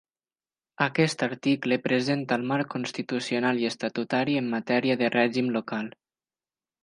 Aquest article presenta el marc constitucional i estatutari en matèria de règim local.